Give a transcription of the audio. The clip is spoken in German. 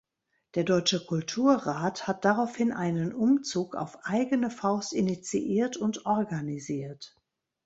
Der Deutsche Kulturrat hat daraufhin einen Umzug auf eigene Faust initiiert und organisiert.